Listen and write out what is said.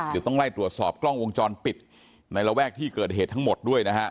เดี๋ยวต้องไล่ตรวจสอบกล้องวงจรปิดในระแวกที่เกิดเหตุทั้งหมดด้วยนะฮะ